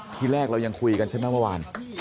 ที่แรกเรายังคุยกันใช่ไหมเมื่อวาน